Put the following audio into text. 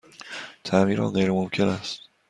تعمیر آن غیرممکن است.